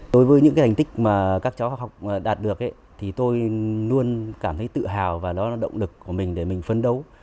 đối với những thành tích mà các cháu học đạt được thì tôi luôn cảm thấy tự hào và đó là động lực của mình để mình phấn đấu